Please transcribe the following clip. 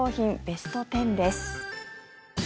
ベスト１０です。